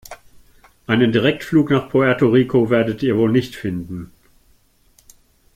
Einen Direktflug nach Puerto Rico werdet ihr wohl nicht finden.